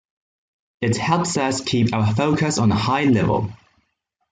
It helps us keep our focus on a high level.